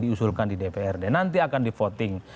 diusulkan di dprd nanti akan di voting